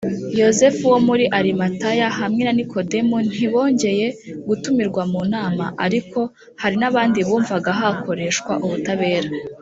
yosefu wo muri arimataya hamwe na nikodemu ntibongeye gutumirwa mu nama, ariko hari n’abandi bumvaga hakoreshwa ubutabera